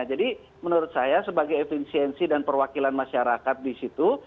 jadi menurut saya sebagai efisiensi dan perwakilan masyarakat di situ